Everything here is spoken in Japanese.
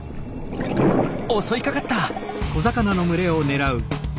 襲いかかった！